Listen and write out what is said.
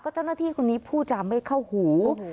เจ้าหน้าที่คนนี้ผู้จำไม่เข้าหู